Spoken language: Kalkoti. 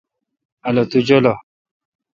الو تو جولہ۔